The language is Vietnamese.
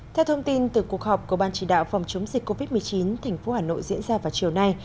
theo thông tin từ cuộc họp của ban chỉ đạo phòng chống dịch covid một mươi chín thành phố hà nội diễn ra vào chiều nay